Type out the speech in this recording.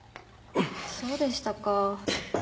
そうでしたか。